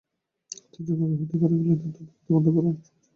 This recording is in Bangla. অর্থের জোগান রহিত করা গেলে এদের তৎপরতা বন্ধ করা অনেক সহজ হবে।